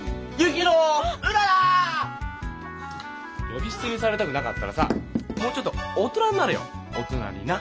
呼び捨てにされたくなかったらさもうちょっと大人になれよ大人にな。